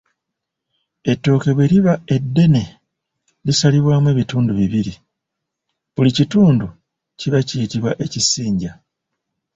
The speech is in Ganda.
Ettooke bwe liba eddene lisalibwamu ebitundu bibiri; buli kitundu kiba kiyitibwa Ekisinja.